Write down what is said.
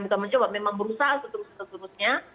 bukan mencoba memang berusaha seterusnya